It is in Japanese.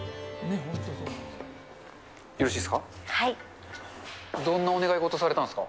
よろしいですか。